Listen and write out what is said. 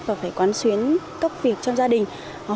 và phải quán xuyến các việc trong lĩnh vực chính trị